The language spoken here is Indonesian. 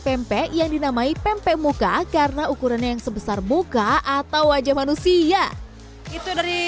pempek yang dinamai pempek muka karena ukurannya yang sebesar muka atau wajah manusia itu dari